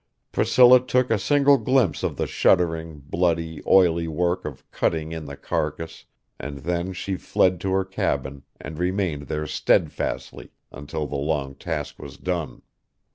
Priscilla took a single glimpse of the shuddering, bloody, oily work of cutting in the carcass, and then she fled to her cabin and remained there steadfastly until the long task was done.